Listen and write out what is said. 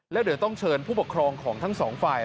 แล้วเดี๋ยวต้องเชิญผู้ปกครองของทั้งสองฝ่าย